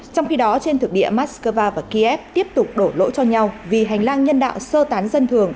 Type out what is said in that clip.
trong khi đó trên thực địa moscow và kiev tiếp tục đổ lỗi cho nhau vì hành lang nhân đạo sơ tán dân thường